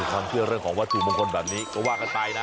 ต้องคิดว่ารัฐบุคคลใบนี้ก็ว่ากันไปนะ